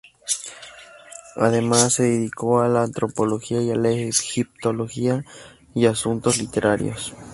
Además se dedicó a la antropología y la egiptología y a asuntos literarios.